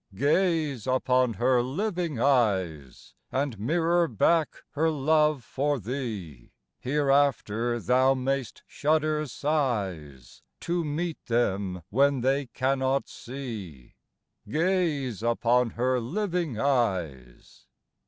Gaze upon her living eyes, And mirror back her love for thee, Hereafter thou mayst shudder sighs To meet them when they cannot see. Gaze upon her living eyes!